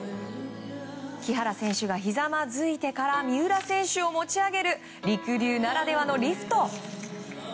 木原選手がひざまずいてから三浦選手を持ち上げるりくりゅうならではのリフト。